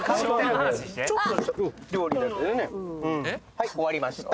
はい終わりました